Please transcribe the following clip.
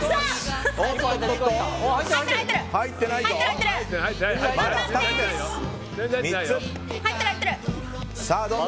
入ってないぞ。